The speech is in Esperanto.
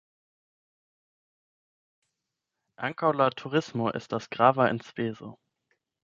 Ankaŭ la turismo estas grava enspezo.